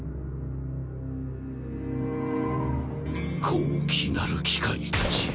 ・高貴なる機械たちよ